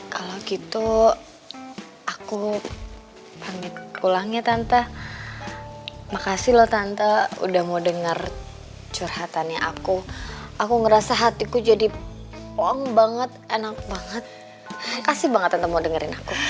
kalau gitu aku bangkit ulangnya tante makasih loh tante udah mau dengar curhatannya aku aku ngerasa hatiku jadi wong banget enak banget kasih banget tante mau dengerin aku